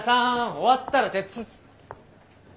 終わったらてつ。